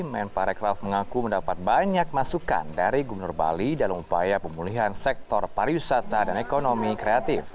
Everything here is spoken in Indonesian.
men parekraf mengaku mendapat banyak masukan dari gubernur bali dalam upaya pemulihan sektor pariwisata dan ekonomi kreatif